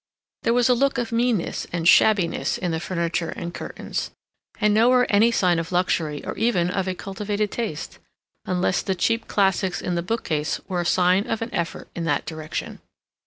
There was a look of meanness and shabbiness in the furniture and curtains, and nowhere any sign of luxury or even of a cultivated taste, unless the cheap classics in the book case were a sign of an effort in that direction.